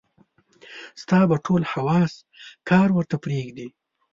ستا به ټول حواص کار ورته پرېږدي.